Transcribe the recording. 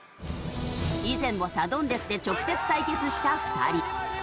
以前もサドンデスで直接対決した２人。